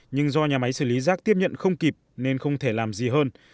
nhưng do nhà máy xử lý rác tiếp nhận không kịp nên không thể làm gì hơn